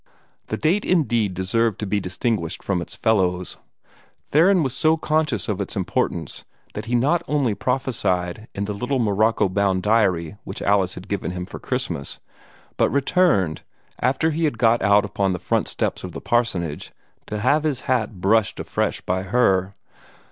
The date indeed deserved to be distinguished from its fellows. Theron was so conscious of its importance that he not only prophesied in the little morocco bound diary which Alice had given him for Christmas, but returned after he had got out upon the front steps of the parsonage to have his hat brushed afresh by her.